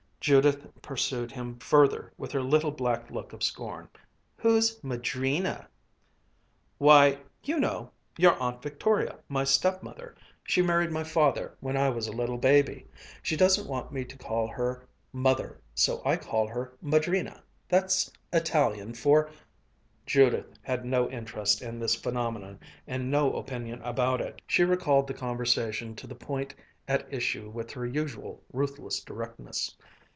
Judith pursued him further with her little black look of scorn. "Who's Madrina?" "Why you know your Aunt Victoria my stepmother she married my father when I was a little baby she doesn't want me to call her 'mother' so I call her Madrina.' That's Italian for " Judith had no interest in this phenomenon and no opinion about it. She recalled the conversation to the point at issue with her usual ruthless directness.